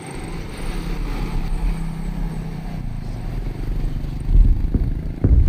quatre rue de Roques, trente-deux, cent à Condom